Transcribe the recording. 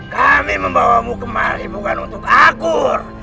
kami membawamu kemari bukan untuk akur